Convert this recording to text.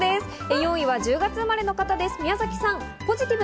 ４位は１０月生まれの方、宮崎さん。